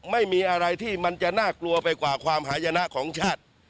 ไม่มีอะไรที่มันจะน่ากลัวไปกว่าความหายนะของชาติ